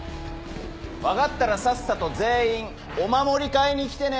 分かったらさっさと全員お守り買いに来てね！